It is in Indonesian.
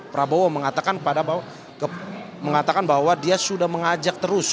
prabowo mengatakan bahwa dia sudah mengajak terus